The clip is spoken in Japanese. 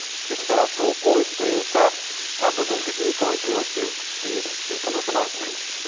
ですから、総攻撃というか部分的に攻撃をしていく可能性もあると思います。